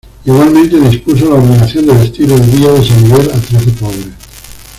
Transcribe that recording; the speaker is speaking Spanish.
Igualmente dispuso la obligación de vestir el día de San Miguel a trece pobres.